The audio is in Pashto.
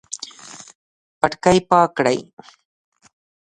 پټکی پاک کړئ